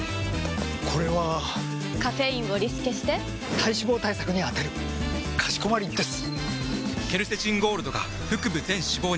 これはカフェインをリスケして体脂肪対策に充てるかしこまりです！！